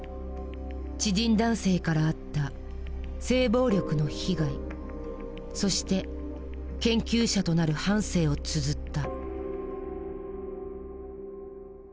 知人男性から遭った性暴力の被害そして研究者となる半生をつづった。